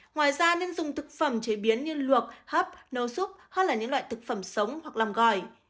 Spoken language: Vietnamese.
ngoài ra nên dùng thực phẩm chế biến như luộc hấp nấu súp hoặc là những loại thực phẩm sống hoặc làm gỏi